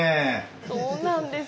そうなんです。